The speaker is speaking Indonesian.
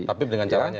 tapi dengan caranya